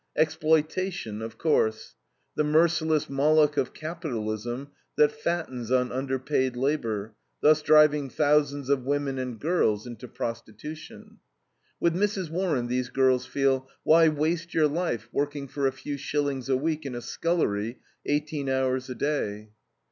Exploitation, of course; the merciless Moloch of capitalism that fattens on underpaid labor, thus driving thousands of women and girls into prostitution. With Mrs. Warren these girls feel, "Why waste your life working for a few shillings a week in a scullery, eighteen hours a day?"